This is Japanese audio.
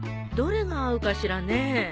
どれが合うかしらねえ。